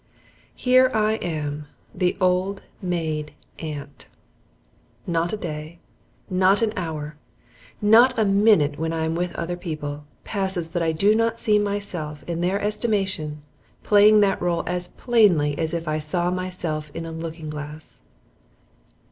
Here I am the old maid aunt. Not a day, not an hour, not a minute, when I am with other people, passes that I do not see myself in their estimation playing that role as plainly as if I saw myself in a looking glass.